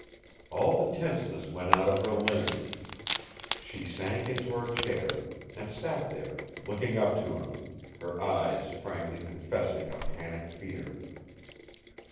All the tenseness went out of her limbs. She sank into her chair, and sat there, looking up to him, her eyes frankly confessing a panic fear.